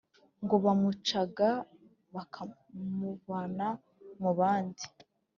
ngo bamucaga, bakamuvana mu bandi.